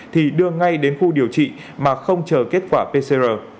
thì đưa ngay đến khu điều trị mà không chờ kết quả pcr